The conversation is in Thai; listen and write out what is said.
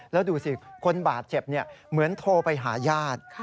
แล้วดูสิคนบาดเจ็บเหมือนโทรไปหาญาติ